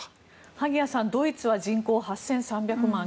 萩谷さんドイツは人口８３００万人